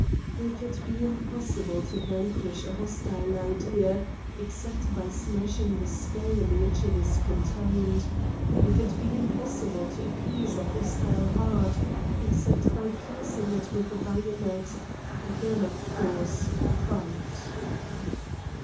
If it be impossible to vanquish a hostile idea except by smashing the skull in which it is contained; if it be impossible to appease a hostile heart except by piercing it with a bayonet, then, of course, fight.